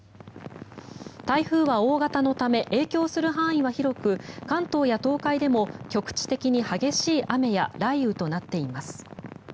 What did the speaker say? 台風は大型のため影響する範囲は広く関東や東海でも局地的に激しい雨や雷雨となっています。